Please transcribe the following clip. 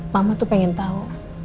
mama tuh pengen tahu